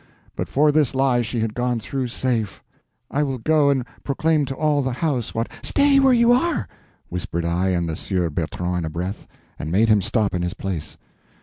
But for this lie she had gone through safe. I will go and proclaim to all the house what—" "Stay where you are!" whispered I and the Sieur Bertrand in a breath, and made him stop in his place.